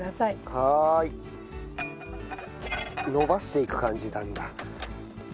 はーい。のばしていく感じなんだ。